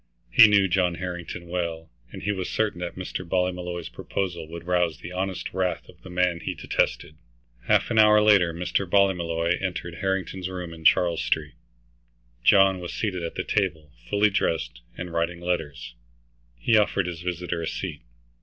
He knew John Harrington well, and he was certain that Mr. Ballymolloy's proposal would rouse the honest wrath of the man he detested. Half an hour later Mr. Ballymolloy entered Harrington's room in Charles Street. John was seated at the table, fully dressed, and writing letters. He offered his visitor a seat.